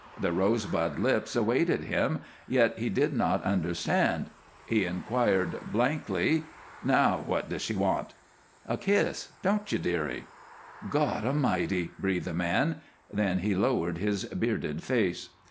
The rosebud lips awaited him, yet he did not understand. He inquired, blankly: "Now what does she want?" "A kiss. Don't you, dearie?" "God'lmighty!" breathed the man. Then he lowered his bearded face.